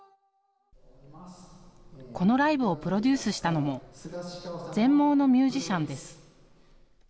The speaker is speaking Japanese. このライブをプロデュースしたのも全盲のミュージシャンです。